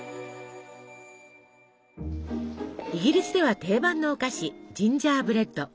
イギリスでは定番のお菓子ジンジャーブレッド。